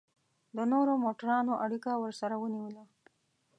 د نورو موټرانو اړیکه ورسره ونیوله.